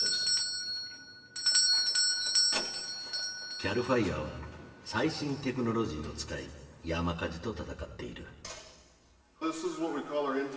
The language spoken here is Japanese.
ＣＡＬＦＩＲＥは最新テクノロジーを使い山火事と闘っている。